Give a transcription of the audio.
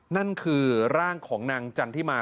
นั่นคือร่างของนางจันทิมา